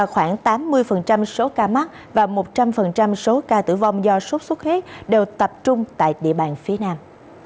khoảng tám mươi số ca mắc và một trăm linh số ca tử vong do sốt xuất huyết đều tập trung tại địa bàn phía nam